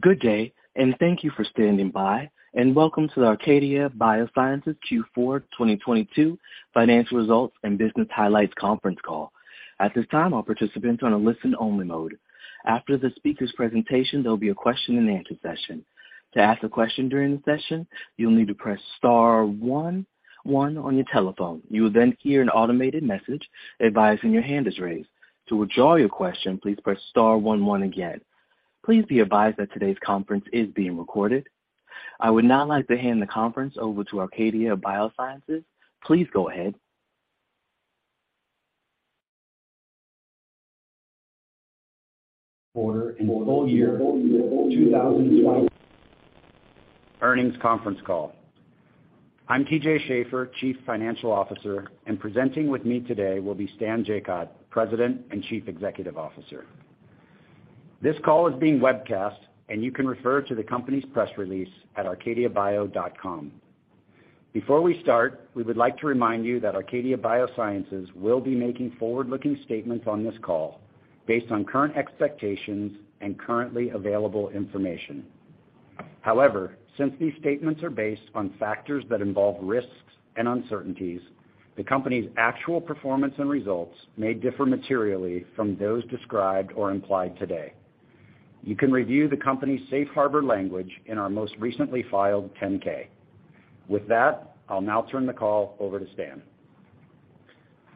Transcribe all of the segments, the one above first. Good day and thank you for standing by, and welcome to the Arcadia Biosciences Q4 2022 Financial Results and Business Highlights Conference Call. At this time, all participants are on a listen-only mode. After the speaker's presentation, there'll be a question-and-answer session. To ask a question during the session, you'll need to press star one one on your telephone. You will then hear an automated message advising your hand is raised. To withdraw your question, please press star one one again. Please be advised that today's conference is being recorded. I would now like to hand the conference over to Arcadia Biosciences. Please go ahead. Arcadia Biosciences Q4 and Full Year 2022 Earnings Conference Call. I'm TJ Schaefer, Chief Financial Officer, and presenting with me today will be Stan Jacot, President and Chief Executive Officer. This call is being webcast, and you can refer to the company's press release at arcadiabio.com. Before we start, we would like to remind you that Arcadia Biosciences will be making forward-looking statements on this call based on current expectations and currently available information. Since these statements are based on factors that involve risks and uncertainties, the company's actual performance and results may differ materially from those described or implied today. You can review the company's safe harbor language in our most recently filed 10-K. I'll now turn the call over to Stan.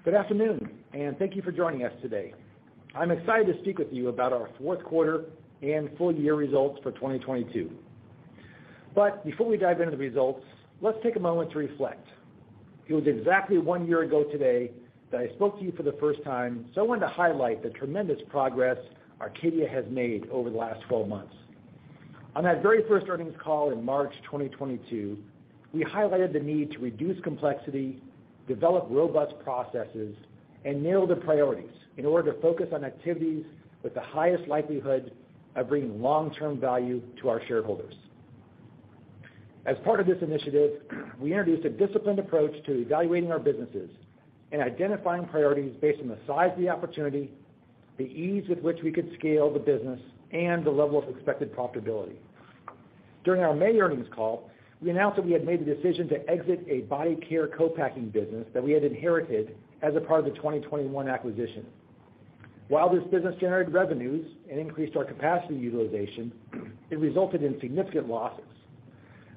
Good afternoon and thank you for joining us today. I'm excited to speak with you about our Fourth Quarter and Full Year Results for 2022. Before we dive into the results, let's take a moment to reflect. It was exactly one year ago today that I spoke to you for the first time, so I want to highlight the tremendous progress Arcadia has made over the last 12 months. On that very first earnings call in March 2022, we highlighted the need to reduce complexity, develop robust processes, and nail the priorities in order to focus on activities with the highest likelihood of bringing long-term value to our shareholders. As part of this initiative, we introduced a disciplined approach to evaluating our businesses and identifying priorities based on the size of the opportunity, the ease with which we could scale the business, and the level of expected profitability. During our May earnings call, we announced that we had made the decision to exit a body care co-packing business that we had inherited as a part of the 2021 acquisition. While this business generated revenues and increased our capacity utilization, it resulted in significant losses.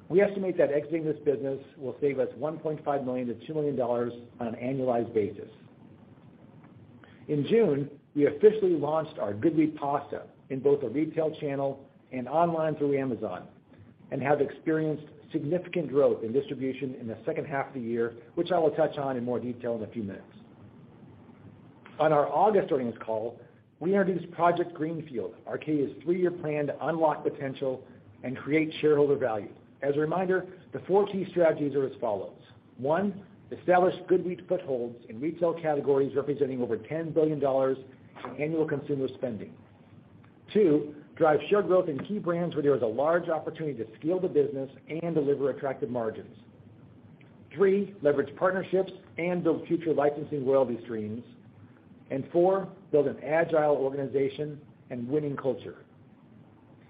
We estimate that exiting this business will save us $1.5 million to $2 million on an annualized basis. In June, we officially launched our GoodWheat pasta in both the retail channel and online through Amazon and have experienced significant growth in distribution in the second half of the year, which I will touch on in more detail in a few minutes. On our August earnings call, we introduced Project Greenfield, Arcadia's three-year plan to unlock potential and create shareholder value. As a reminder, the four key strategies are as follows. One, establish GoodWheat footholds in retail categories representing over $10 billion in annual consumer spending. Two, drive share growth in key brands where there is a large opportunity to scale the business and deliver attractive margins. Three, leverage partnerships and build future licensing royalty streams. Four, build an agile organization and winning culture.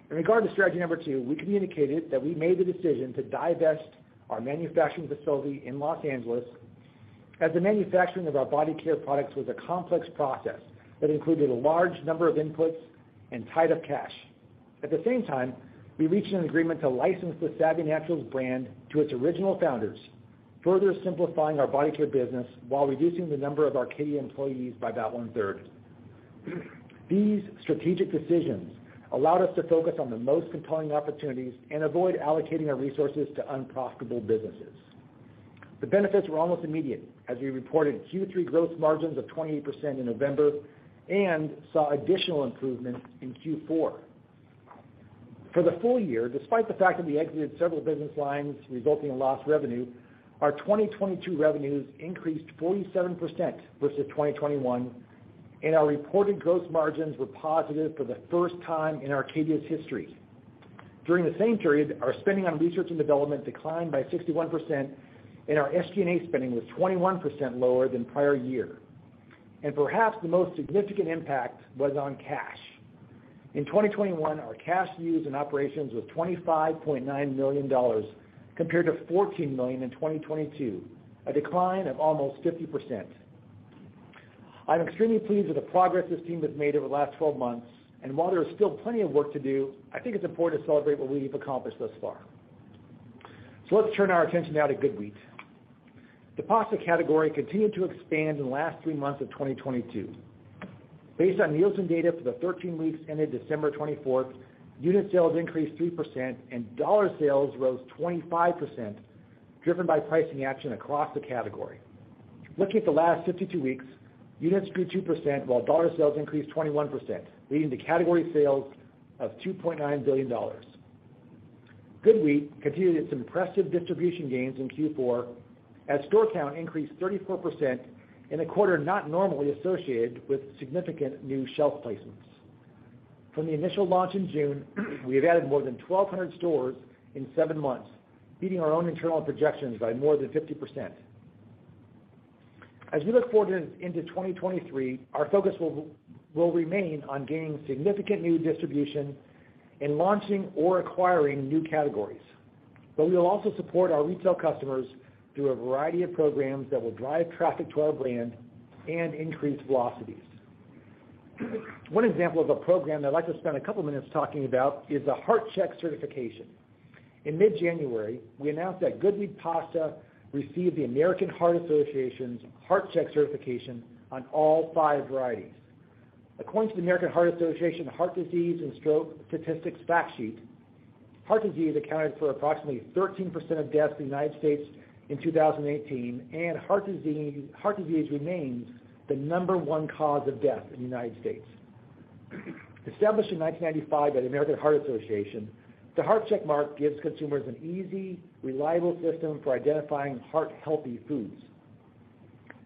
In regard to strategy number two, we communicated that we made the decision to divest our manufacturing facility in Los Angeles, as the manufacturing of our body care products was a complex process that included a large number of inputs and tied up cash. At the same time, we reached an agreement to license the Saavy Naturals brand to its original founders, further simplifying our body care business while reducing the number of Arcadia employees by about 1/3. These strategic decisions allowed us to focus on the most compelling opportunities and avoid allocating our resources to unprofitable businesses. The benefits were almost immediate as we reported Q3 gross margins of 28% in November and saw additional improvements in Q4. For the full year, despite the fact that we exited several business lines resulting in lost revenue, our 2022 revenues increased 47% versus 2021, and our reported gross margins were positive for the first time in Arcadia's history. During the same period, our spending on research and development declined by 61%, and our SG&A spending was 21% lower than prior year. Perhaps the most significant impact was on cash. In 2021, our cash used in operations was $25.9 million compared to $14 million in 2022, a decline of almost 50%. I'm extremely pleased with the progress this team has made over the last 12 months, and while there is still plenty of work to do, I think it's important to celebrate what we've accomplished thus far. Let's turn our attention now to GoodWheat. The pasta category continued to expand in the last 3 months of 2022. Based on Nielsen data for the 13 weeks ended December 24th, unit sales increased 3% and dollar sales rose 25%, driven by pricing action across the category. Looking at the last 52 weeks, units grew 2% while dollar sales increased 21%, leading to category sales of $2.9 billion. GoodWheat continued its impressive distribution gains in Q4 as store count increased 34% in a quarter not normally associated with significant new shelf placements. From the initial launch in June, we have added more than 1,200 stores in seven months, beating our own internal projections by more than 50%. As we look forward into 2023, our focus will remain on gaining significant new distribution and launching or acquiring new categories. We will also support our retail customers through a variety of programs that will drive traffic to our brand and increase velocity. One example of a program that I'd like to spend a couple minutes talking about is the Heart-Check certification. In mid-January, we announced that GoodWheat pasta received the American Heart Association's Heart-Check certification on all five varieties. According to the American Heart Association Heart Disease and Stroke Statistics fact sheet, heart disease accounted for approximately 13% of deaths in the United States in 2018, and heart disease remains the number one cause of death in the United States. Established in 1995 by the American Heart Association, the Heart-Check mark gives consumers an easy, reliable system for identifying heart-healthy foods.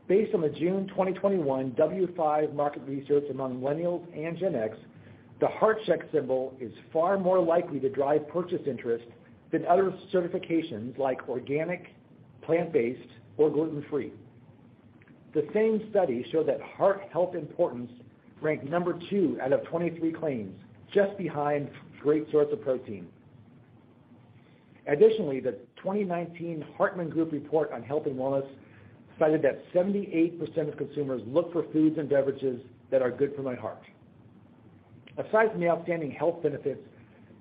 Based on the June 2021 W5 market research among millennials and Gen X, the Heart-Check symbol is far more likely to drive purchase interest than other certifications like organic, plant-based, or gluten-free. The same study showed that heart health importance ranked number two out of 23 claims, just behind great source of protein. Additionally, the 2019 Hartman Group report on health and wellness cited that 78% of consumers look for foods and beverages that are good for my heart. Aside from the outstanding health benefits,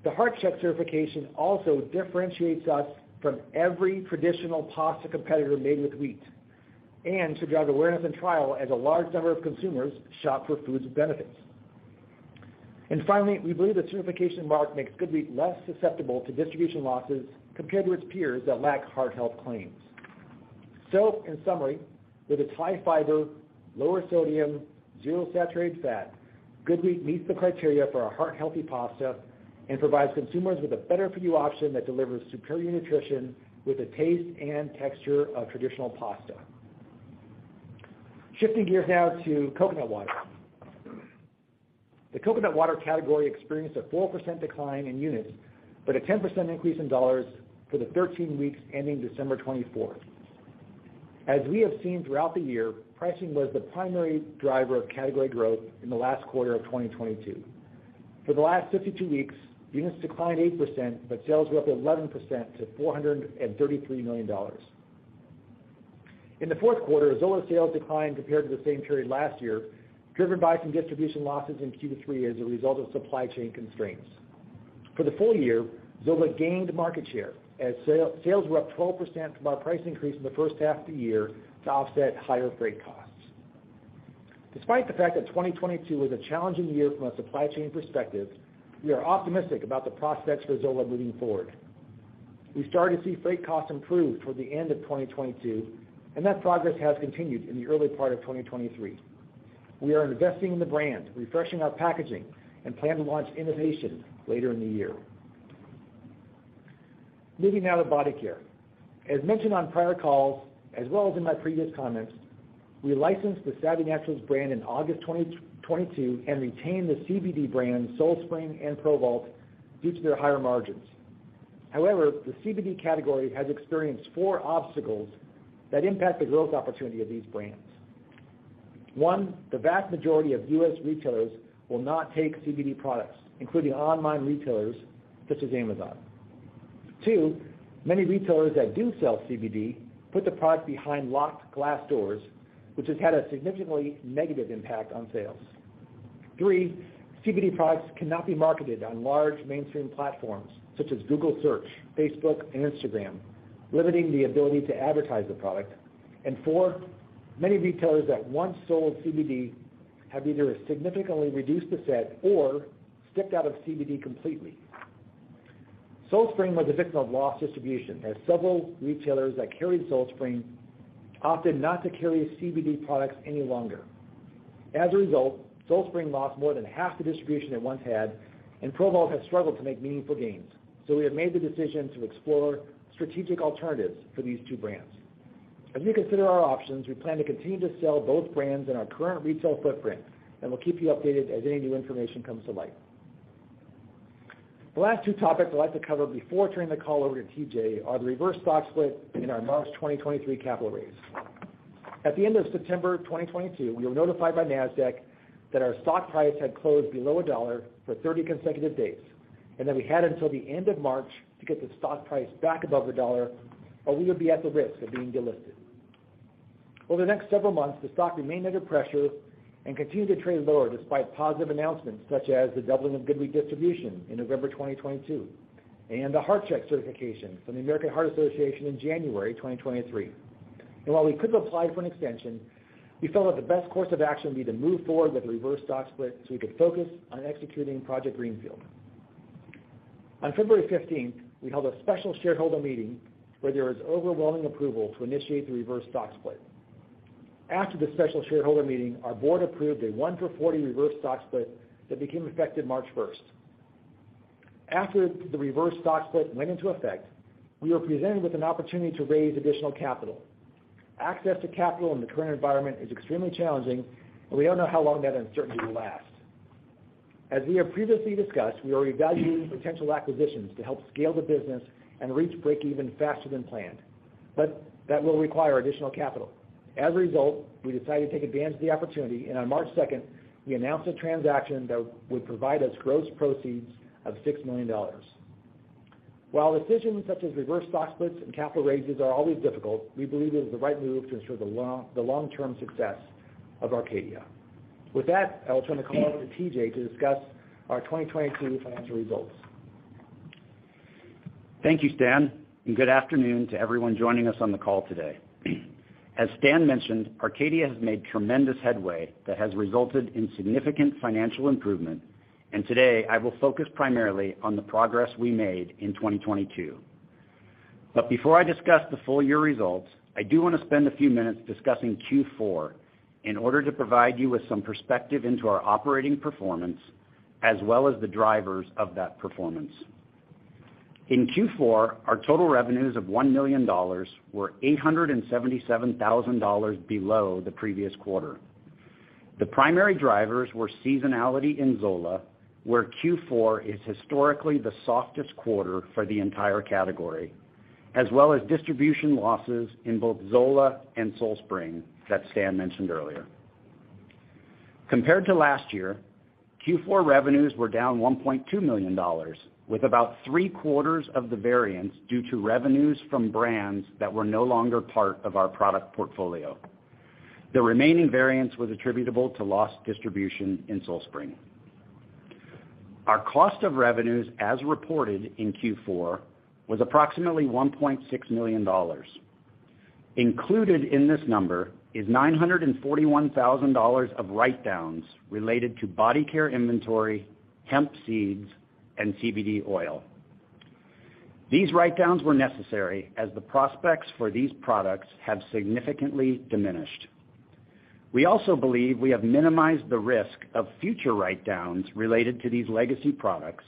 the Heart-Check certification also differentiates us from every traditional pasta competitor made with wheat, should drive awareness and trial as a large number of consumers shop for foods with benefits. Finally, we believe the certification mark makes GoodWheat less susceptible to distribution losses compared to its peers that lack heart health claims. In summary, with its high fiber, lower sodium, zero saturated fat, GoodWheat meets the criteria for a heart-healthy pasta and provides consumers with a better-for-you option that delivers superior nutrition with the taste and texture of traditional pasta. Shifting gears now to coconut water. The coconut water category experienced a 4% decline in units, but a 10% increase in dollars for the 13 weeks ending December 24th. As we have seen throughout the year, pricing was the primary driver of category growth in the last quarter of 2022. For the last 52 weeks, units declined 8%, sales were up 11% to $433 million. In the fourth quarter, Zola sales declined compared to the same period last year, driven by some distribution losses in Q3 as a result of supply chain constraints. For the full year, Zola gained market share as sales were up 12% from our price increase in the first half of the year to offset higher freight costs. Despite the fact that 2022 was a challenging year from a supply chain perspective, we are optimistic about the prospects for Zola moving forward. We started to see freight costs improve toward the end of 2022, that progress has continued in the early part of 2023. Moving now to body care. As mentioned on prior calls, as well as in my previous comments, we licensed the Saavy Naturals brand in August 2022 and retained the CBD brand, SoulSpring and Provault, due to their higher margins. The CBD category has experienced four obstacles that impact the growth opportunity of these brands. One, the vast majority of U.S. retailers will not take CBD products, including online retailers such as Amazon. Two, many retailers that do sell CBD put the product behind locked glass doors, which has had a significantly negative impact on sales. Three, CBD products cannot be marketed on large mainstream platforms such as Google Search, Facebook and Instagram, limiting the ability to advertise the product. Four, many retailers that once sold CBD have either significantly reduced the set or stepped out of CBD completely. SoulSpring was a victim of lost distribution as several retailers that carried SoulSpring opted not to carry CBD products any longer. As a result, SoulSpring lost more than half the distribution it once had, and Provault has struggled to make meaningful gains. We have made the decision to explore strategic alternatives for these two brands. As we consider our options, we plan to continue to sell both brands in our current retail footprint. We'll keep you updated as any new information comes to light. The last two topics I'd like to cover before turning the call over to TJ are the reverse stock split in our March 2023 capital raise. At the end of September 2022, we were notified by Nasdaq that our stock price had closed below $1 for 30 consecutive days. We had until the end of March to get the stock price back above $1, or we would be at the risk of being delisted. Over the next several months, the stock remained under pressure and continued to trade lower despite positive announcements such as the doubling of GoodWheat distribution in November 2022, and the Heart-Check certification from the American Heart Association in January 2023. While we could have applied for an extension, we felt that the best course of action would be to move forward with the reverse stock split so we could focus on executing Project Greenfield. On February 15th, we held a special shareholder meeting where there was overwhelming approval to initiate the reverse stock split. After the special shareholder meeting, our board approved a 1:40 reverse stock split that became effective March 1st. After the reverse stock split went into effect, we were presented with an opportunity to raise additional capital. Access to capital in the current environment is extremely challenging, and we don't know how long that uncertainty will last. As we have previously discussed, we are evaluating potential acquisitions to help scale the business and reach breakeven faster than planned, but that will require additional capital. As a result, we decided to take advantage of the opportunity, and on March second, we announced a transaction that would provide us gross proceeds of $6 million. While decisions such as reverse stock splits and capital raises are always difficult, we believe it is the right move to ensure the long-term success of Arcadia. With that, I will turn the call over to TJ to discuss our 2022 financial results. Thank you, Stan. Good afternoon to everyone joining us on the call today. As Stan mentioned, Arcadia has made tremendous headway that has resulted in significant financial improvement. Today I will focus primarily on the progress we made in 2022. Before I discuss the full year results, I do wanna spend a few minutes discussing Q4 in order to provide you with some perspective into our operating performance, as well as the drivers of that performance. In Q4, our total revenues of $1 million were $877,000 below the previous quarter. The primary drivers were seasonality in Zola, where Q4 is historically the softest quarter for the entire category, as well as distribution losses in both Zola and SoulSpring that Stan mentioned earlier. Compared to last year, Q4 revenues were down $1.2 million, with about three-quarters of the variance due to revenues from brands that were no longer part of our product portfolio. The remaining variance was attributable to lost distribution in SoulSpring. Our cost of revenues, as reported in Q4, was approximately $1.6 million. Included in this number is $941,000 of write-downs related to body care inventory, hemp seeds, and CBD oil. These write-downs were necessary as the prospects for these products have significantly diminished. We also believe we have minimized the risk of future write-downs related to these legacy products,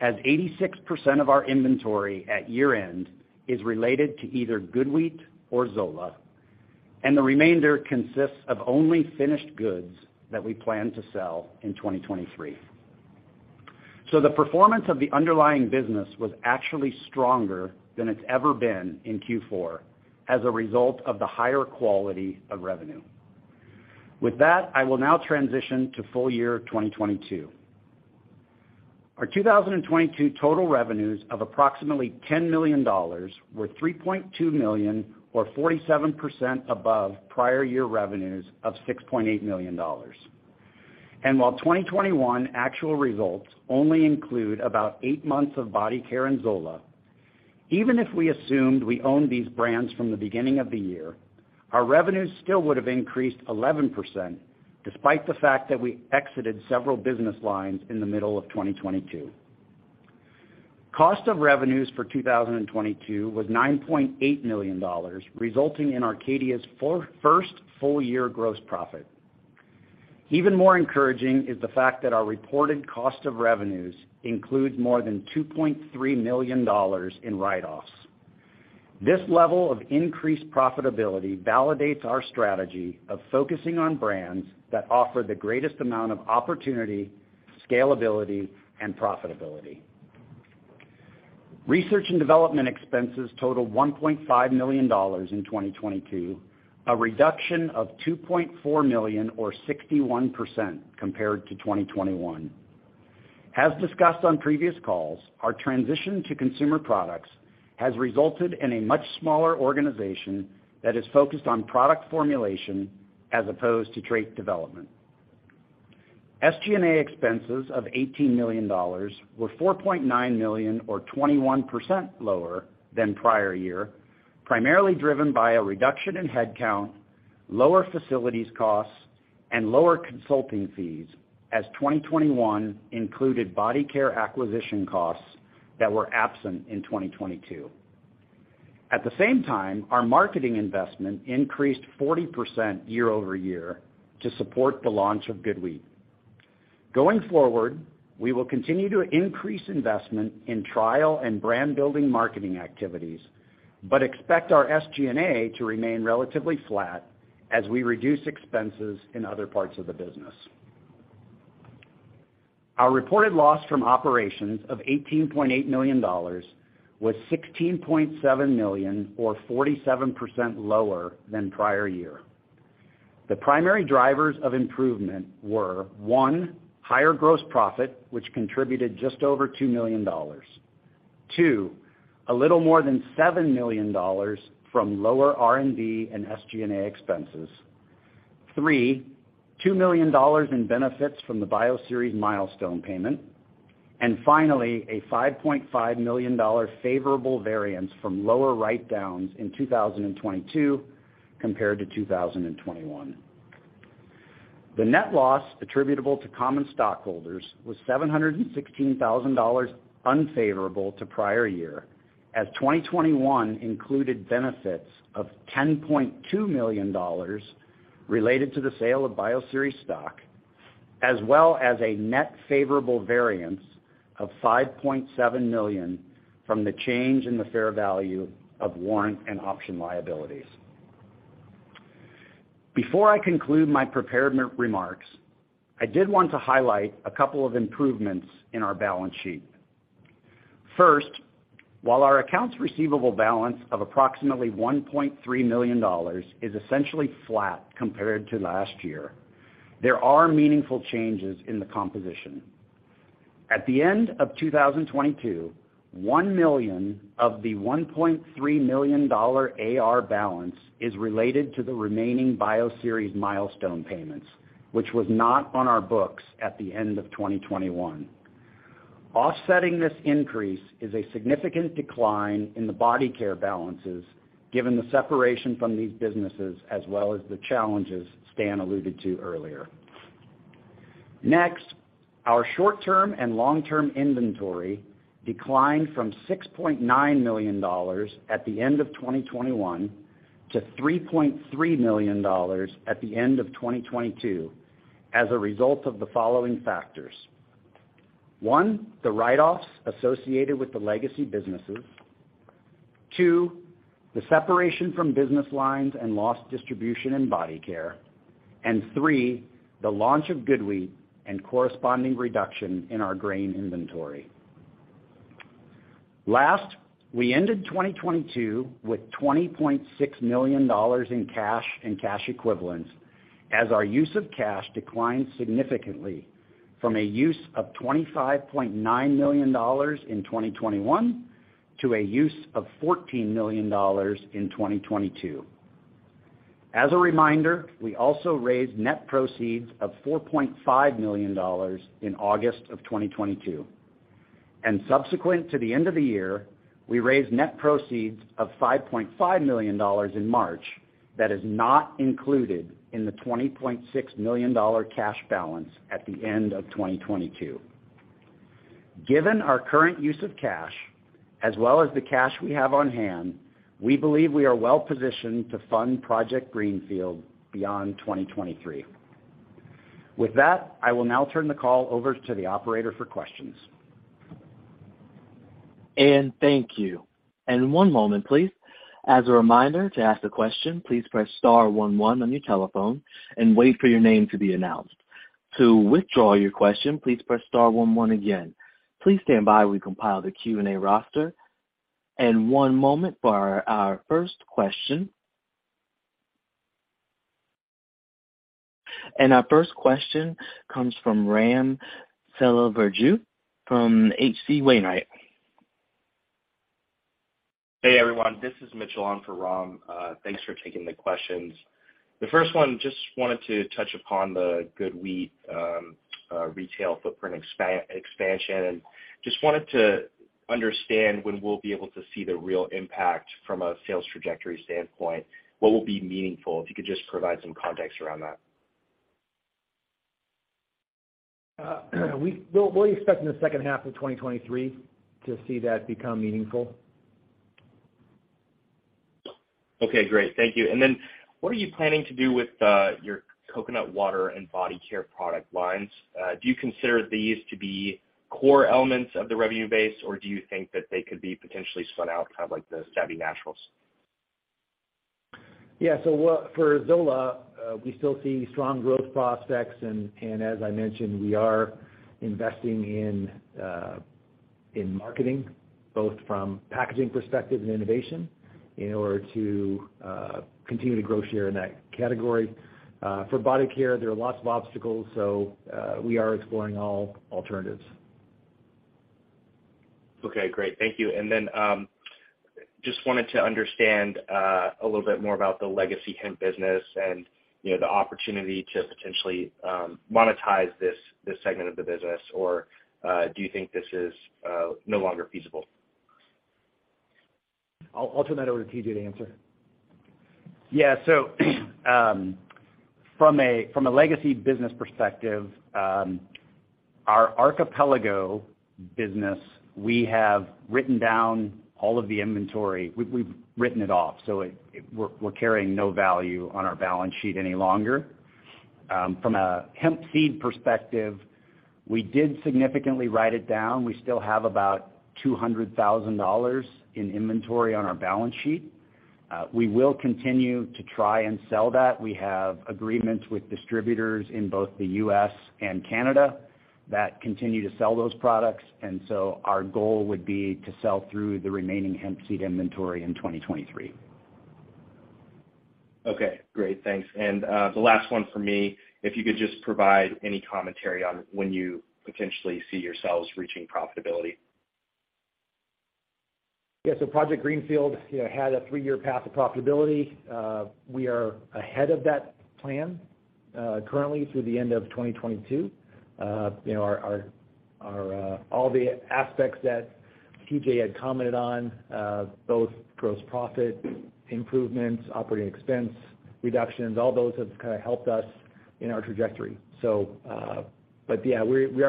as 86% of our inventory at year-end is related to either GoodWheat or Zola, and the remainder consists of only finished goods that we plan to sell in 2023. The performance of the underlying business was actually stronger than it's ever been in Q4 as a result of the higher quality of revenue. With that, I will now transition to full year 2022. Our 2022 total revenues of approximately $10 million were $3.2 million or 47% above prior year revenues of $6.8 million. While 2021 actual results only include about 8 months of body care in Zola, even if we assumed we owned these brands from the beginning of the year, our revenues still would have increased 11% despite the fact that we exited several business lines in the middle of 2022. Cost of revenues for 2022 was $9.8 million, resulting in Arcadia's first full-year gross profit. Even more encouraging is the fact that our reported cost of revenues includes more than $2.3 million in write-offs. This level of increased profitability validates our strategy of focusing on brands that offer the greatest amount of opportunity, scalability, and profitability. Research and development expenses totaled $1.5 million in 2022, a reduction of $2.4 million or 61% compared to 2021. As discussed on previous calls, our transition to consumer products has resulted in a much smaller organization that is focused on product formulation as opposed to trait development. SG&A expenses of $18 million were $4.9 million or 21% lower than prior year, primarily driven by a reduction in headcount, lower facilities costs, and lower consulting fees as 2021 included body care acquisition costs that were absent in 2022. At the same time, our marketing investment increased 40% year-over-year to support the launch of GoodWheat. Going forward, we will continue to increase investment in trial and brand-building marketing activities, but expect our SG&A to remain relatively flat as we reduce expenses in other parts of the business. Our reported loss from operations of $18.8 million was $16.7 million or 47% lower than prior year. The primary drivers of improvement were, 1, higher gross profit, which contributed just over $2 million. 2, a little more than $7 million from lower R&D and SG&A expenses. 3, $2 million in benefits from the Bioceres milestone payment. Finally, a $5.5 million favorable variance from lower write-downs in 2022 compared to 2021. The net loss attributable to common stockholders was $716,000 unfavorable to prior year, as 2021 included benefits of $10.2 million. Related to the sale of Bioceres stock, as well as a net favorable variance of $5.7 million from the change in the fair value of warrant and option liabilities. Before I conclude my prepared remarks, I did want to highlight a couple of improvements in our balance sheet. First, while our accounts receivable balance of approximately $1.3 million is essentially flat compared to last year, there are meaningful changes in the composition. At the end of 2022, $1 million of the $1.3 million AR balance is related to the remaining Bioceres milestone payments, which was not on our books at the end of 2021. Offsetting this increase is a significant decline in the body care balances given the separation from these businesses as well as the challenges Stan alluded to earlier. Next, our short-term and long-term inventory declined from $6.9 million at the end of 2021 to $3.3 million at the end of 2022 as a result of the following factors. One, the write-offs associated with the legacy businesses. Two, the separation from business lines and lost distribution and body care. Three, the launch of GoodWheat and corresponding reduction in our grain inventory. Last, we ended 2022 with $20.6 million in cash and cash equivalents as our use of cash declined significantly from a use of $25.9 million in 2021 to a use of $14 million in 2022. As a reminder, we also raised net proceeds of $4.5 million in August of 2022. Subsequent to the end of the year, we raised net proceeds of $5.5 million in March that is not included in the $20.6 million cash balance at the end of 2022. Given our current use of cash as well as the cash we have on hand, we believe we are well positioned to fund Project Greenfield beyond 2023. With that, I will now turn the call over to the operator for questions. Thank you. One moment please. As a reminder, to ask a question, please press star 11 on your telephone and wait for your name to be announced. To withdraw your question, please press star 11 again. Please stand by while we compile the Q&A roster. One moment for our first question. Our first question comes from Ram Selvaraju from H.C. Wainwright. Hey everyone, this is Mitchell on for Ram. Thanks for taking the questions. The first one, just wanted to touch upon the GoodWheat retail footprint expansion. Just wanted to understand when we'll be able to see the real impact from a sales trajectory standpoint. What will be meaningful? If you could just provide some context around that. We'll expect in the second half of 2023 to see that become meaningful. Okay, great. Thank you. What are you planning to do with your coconut water and body care product lines? Do you consider these to be core elements of the revenue base, or do you think that they could be potentially spun out kind of like the Saavy Naturals? For Zola, we still see strong growth prospects and as I mentioned, we are investing in marketing, both from packaging perspective and innovation in order to continue to grow share in that category. For body care, there are lots of obstacles, we are exploring all alternatives. Okay, great. Thank you. Just wanted to understand, a little bit more about the legacy hemp business and, you know, the opportunity to potentially, monetize this segment of the business. Do you think this is, no longer feasible? I'll turn that over to TJ to answer. From a legacy business perspective, our Archipelago business, we have written down all of the inventory. We've written it off, so we're carrying no value on our balance sheet any longer. From a hemp seed perspective, we did significantly write it down. We still have about $200,000 in inventory on our balance sheet. We will continue to try and sell that. We have agreements with distributors in both the U.S. and Canada that continue to sell those products, and so our goal would be to sell through the remaining hemp seed inventory in 2023. Okay, great. Thanks. The last one from me. If you could just provide any commentary on when you potentially see yourselves reaching profitability. Project Greenfield, you know, had a three-year path to profitability. We are ahead of that plan, currently through the end of 2022. All the aspects that TJ had commented on, both gross profit improvements, operating expense reductions, all those have kind of helped us in our trajectory. We are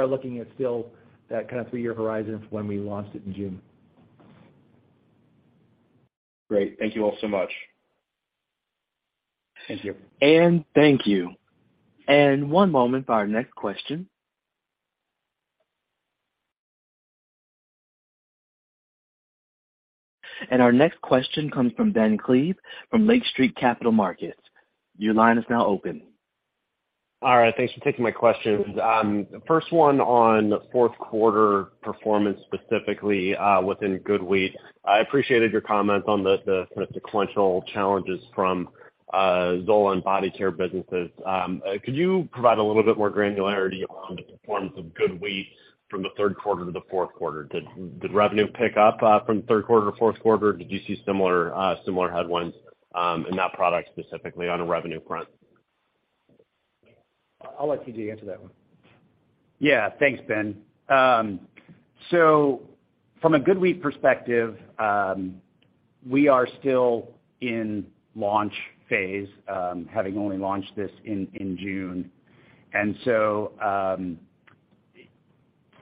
looking at still that kind of three-year horizon from when we launched it in June. Great. Thank you all so much. Thank you. Thank you. One moment for our next question. Our next question comes from Ben Klieve from Lake Street Capital Markets. Your line is now open. All right. Thanks for taking my questions. The first one on fourth quarter performance, specifically, within GoodWheat. I appreciated your comments on the kind of sequential challenges from Zola and Body Care businesses. Could you provide a little bit more granularity on the performance of GoodWheat from the third quarter to the fourth quarter? Did revenue pick up from third quarter to fourth quarter? Did you see similar headwinds in that product, specifically on a revenue front? I'll let TJ answer that one. Thanks, Ben. From a GoodWheat perspective, we are still in launch phase, having only launched this in June.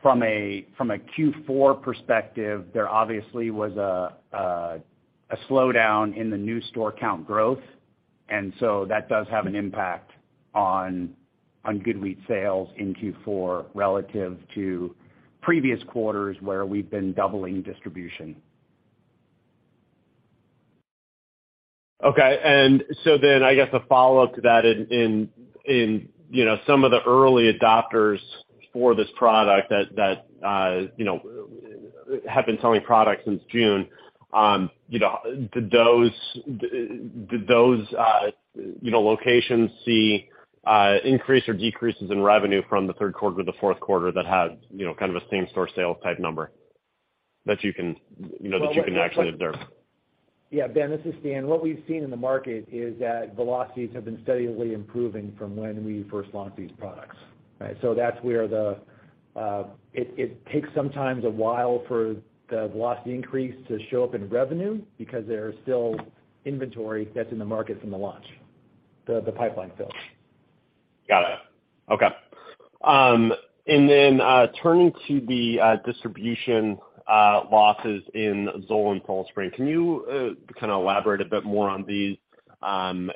From a Q4 perspective, there obviously was a slowdown in the new store count growth, that does have an impact on GoodWheat sales in Q4 relative to previous quarters where we've been doubling distribution. Okay. I guess a follow-up to that in, you know, some of the early adopters for this product that, you know, have been selling products since June, you know, did those, you know, locations see increase or decreases in revenue from the third quarter to the fourth quarter that had, you know, kind of a same store sales type number that you can, you know, that you can actually observe? Ben, this is Stan. What we've seen in the market is that velocities have been steadily improving from when we first launched these products. Right. It sometimes takes a while for the velocity increase to show up in revenue because there's still inventory that's in the market from the launch, the pipeline fill. Got it. Okay. Turning to the distribution losses in Zola and SoulSpring, can you elaborate a bit more on these?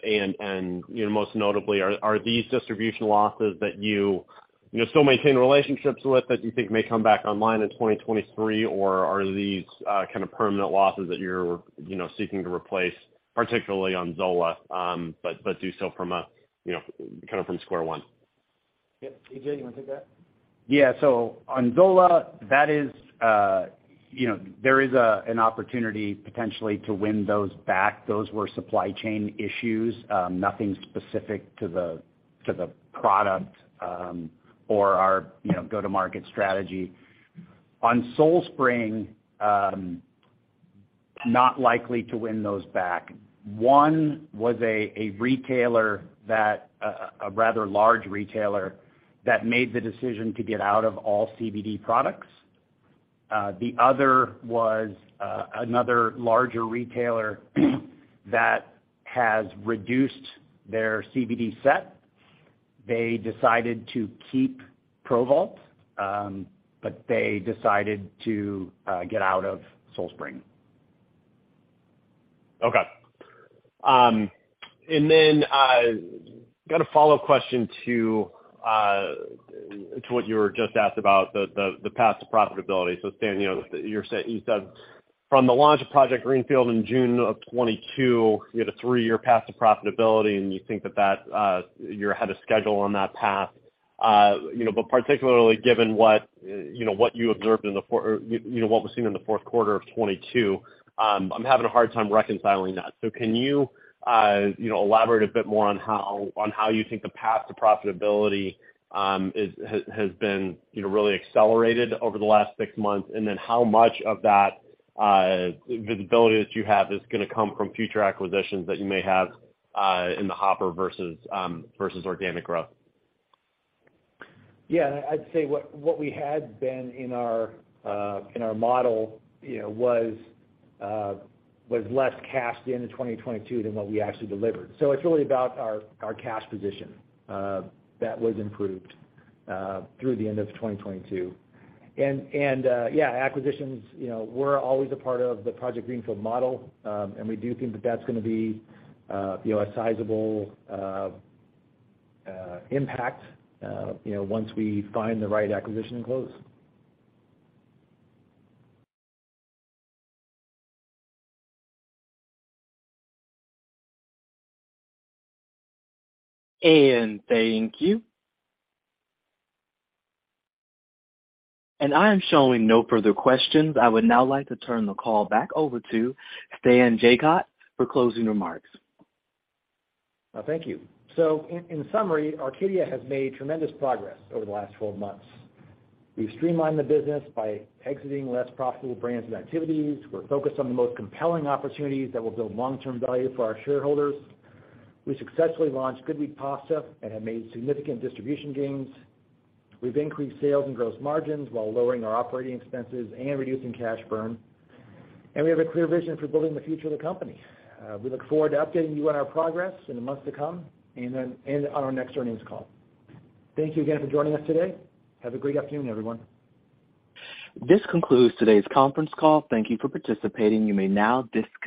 You know, most notably, are these distribution losses that you know, still maintain relationships with that you think may come back online in 2023, or are these kind of permanent losses that you're, you know, seeking to replace, particularly on Zola, but do so from a, you know, kind of from square one? TJ, you wanna take that? On Zola, that is, you know, there is an opportunity potentially to win those back. Those were supply chain issues, nothing specific to the product or our, you know, go-to-market strategy. On SoulSpring, not likely to win those back. One was a rather large retailer that made the decision to get out of all CBD products. The other was another larger retailer that has reduced their CBD set. They decided to keep Provault, but they decided to get out of SoulSpring. Got a follow-up question to what you were just asked about the path to profitability. Stan, you said from the launch of Project Greenfield in June of '22, you had a three-year path to profitability and you think that that you're ahead of schedule on that path. You know, particularly given what, you know, what was seen in the fourth quarter of '22, I'm having a hard time reconciling that. Can you know, elaborate a bit more on how you think the path to profitability has been, you know, really accelerated over the last six months? How much of that visibility that you have is gonna come from future acquisitions that you may have in the hopper versus organic growth? I'd say what we had been in our model, you know, was less cash into 2022 than what we actually delivered. It's really about our cash position that was improved through the end of 2022. Acquisitions were always a part of the Project Greenfield model. We do think that that's gonna be a sizable impact, you know, once we find the right acquisition and close. Thank you. I am showing no further questions. I would now like to turn the call back over to Stan Jacot for closing remarks. Well, thank you. In summary, Arcadia has made tremendous progress over the last 12 months. We've streamlined the business by exiting less profitable brands and activities. We're focused on the most compelling opportunities that will build long-term value for our shareholders. We successfully launched GoodWheat pasta and have made significant distribution gains. We've increased sales and gross margins while lowering our operating expenses and reducing cash burn. We have a clear vision for building the future of the company. We look forward to updating you on our progress in the months to come then on our next earnings call. Thank you again for joining us today. Have a great afternoon, everyone. This concludes today's conference call. Thank you for participating. You may now disconnect.